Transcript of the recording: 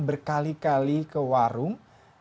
berkali kali ke warung